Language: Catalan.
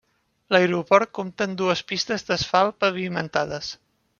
L'aeroport compta amb dues pistes d'asfalt pavimentades.